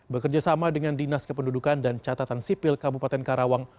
bekerjasama dengan dinas kependudukan dan catatan sipil kabupaten karawang